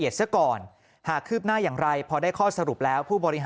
ใช่ครับ